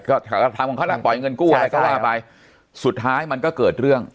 ก็ทำของเขาแล้วปล่อยเงินกู้อะไรก็ว่าไปสุดท้ายมันก็เกิดเรื่อง